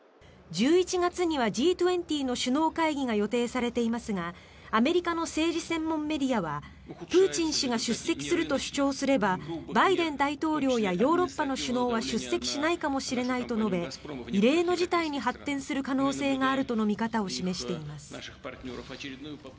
１１月にはＧ２０の首脳会議が予定されていますがアメリカの政治専門メディアはプーチン氏が出席すると主張すればバイデン大統領やヨーロッパの首脳は出席しないかもしれないと述べ異例の事態に発展する可能性があるとの見方を示しています。